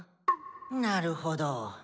なるほど。